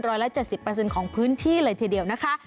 ร้อยละ๗๐ของพื้นที่เลยทีเดียวนะคะ